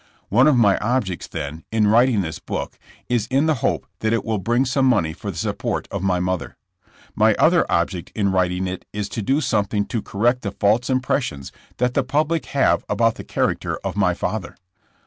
One of my objects, then, in writing this book, is in the hope that it will bring some money for the support of my mother. My other object in writing it is to do something to correct the false impressions that the public have about the character of my father.